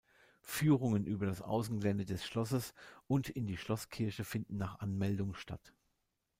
Führungen über das Außengelände des Schlosses und in die Schlosskirche finden nach Anmeldung statt.